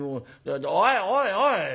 おいおいおい。